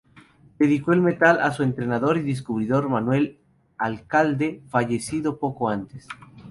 Dedicó el metal a su entrenador y descubridor Manuel Alcalde, fallecido poco antes.